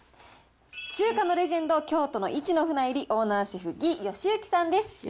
中華のレジェンド、京都の一之船入、オーナーシェフ、魏禧之さんです。